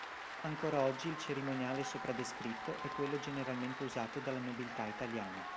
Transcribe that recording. Ancora oggi il cerimoniale sopra descritto è quello generalmente usato dalla nobiltà italiana.